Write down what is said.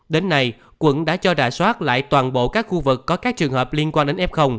đến nay quận đã cho đà soát lại toàn bộ các khu vực có các trường hợp liên quan đến f